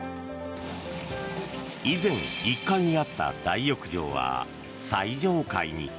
以前、１階にあった大浴場は最上階に。